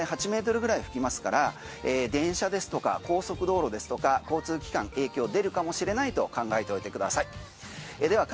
特に夕方ぐらいには最大８ｍぐらい吹きますから電車ですとか高速道路ですとか交通機関影響出るかもしれないと考えておいてください。